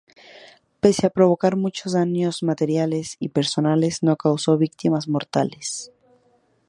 Pese a provocar muchos daños materiales y personales no causó víctimas mortales.